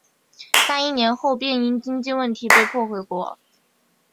但一年后便因经济问题被迫回国。